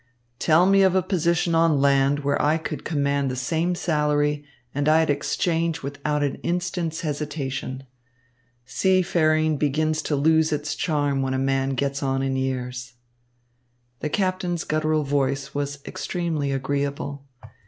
"Tell me of a position on land where I could command the same salary, and I'd exchange without an instant's hesitation. Seafaring begins to lose its charms when a man gets on in years." The captain's guttural voice was extremely agreeable.